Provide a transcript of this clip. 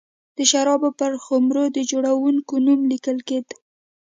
د شرابو پر خُمرو د جوړوونکي نوم لیکل کېده.